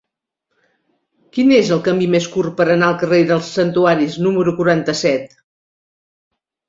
Quin és el camí més curt per anar al carrer dels Santuaris número quaranta-set?